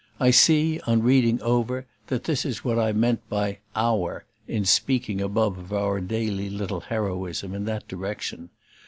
I see, on reading over, that this is what I meant by "our" in speaking above of our little daily heroism in that direction.